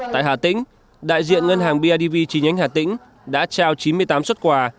tại hà tĩnh đại diện ngân hàng bidv chi nhánh hà tĩnh đã trao chín mươi tám xuất quà